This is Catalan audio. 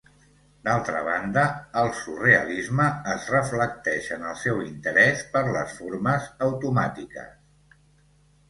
D'altra banda, el surrealisme es reflecteix en el seu interès per les formes automàtiques.